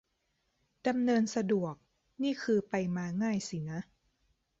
ดำเนินสะดวก นี่คือไปมาง่ายสินะ